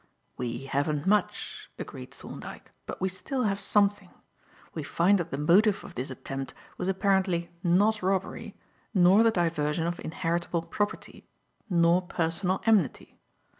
"We haven't much," agreed Thorndyke, "but still we have something. We find that the motive of this attempt was apparently not robbery, nor the diversion of inheritable property, nor personal enmity.